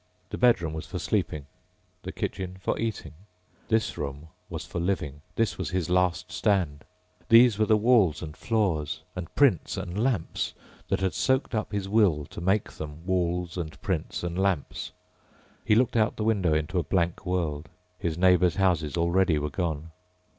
The bedroom was for sleeping, the kitchen for eating. This room was for living. This was his last stand. These were the walls and floors and prints and lamps that had soaked up his will to make them walls and prints and lamps. He looked out the window into a blank world. His neighbors' houses already were gone.